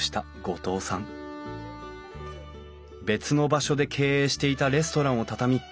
別の場所で経営していたレストランを畳み